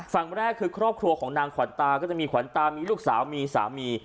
ฝั่งแรกคือครอบครัวของนางขวัญตาก็จะมีขวัญตามีลูกสาวมีสามี